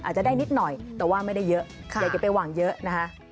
อาจจะได้นิดหน่อยแต่ว่าไม่ได้เยอะอยากจะไปหวังเยอะนะคะ